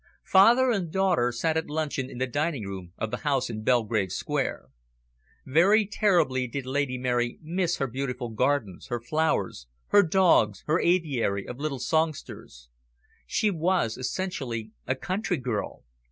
Father and daughter sat at luncheon in the dining room of the house in Belgrave Square. Very terribly did Lady Mary miss her beautiful gardens, her flowers, her dogs, her aviary of little songsters. She was essentially a country girl.